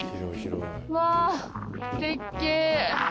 うわ絶景。